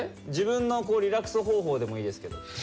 自分のリラックス方法でもいいですけど。